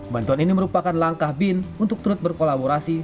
bantuan ini merupakan langkah bin untuk turut berkolaborasi